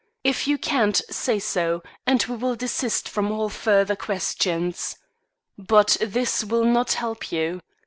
If you can't, say so; and we will desist from all further questions. But this will not help you.